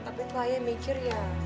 tapi tuh ayah mikir ya